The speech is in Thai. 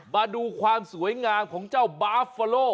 มาดูความสวยงามของเจ้าบาฟเฟอโล